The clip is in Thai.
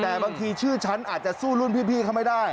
แต่บางทีชื่อฉันอาจจะสู้รุ่นพี่เขาไม่ได้